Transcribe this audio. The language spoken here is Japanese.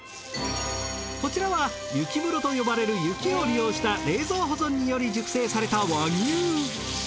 こちらは雪室と呼ばれる雪を利用した冷蔵保存により熟成された和牛。